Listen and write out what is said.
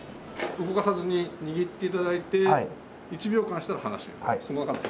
動かさずに握って頂いて１秒間したら離して。